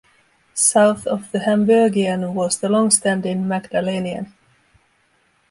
South of the Hamburgian was the longstanding Magdalenian.